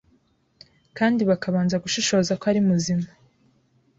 kandi bakabanza gushishoza ko ari muzima.